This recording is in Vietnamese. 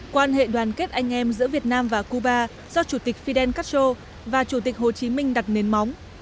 quan hệ đoàn kết anh em giữa việt nam và cuba do chủ tịch fidel castro và chủ tịch hồ chí minh đặt nền móng